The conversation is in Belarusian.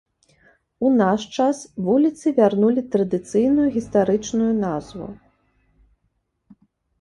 У наш час вуліцы вярнулі традыцыйную гістарычную назву.